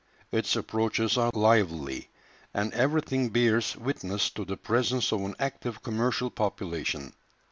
Its approaches are lively, and everything bears witness to the presence of an active commercial population.